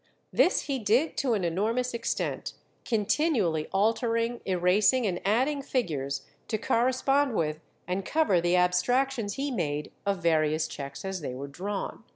This he did to an enormous extent, continually altering, erasing, and adding figures to correspond with and cover the abstractions he made of various cheques as they were drawn.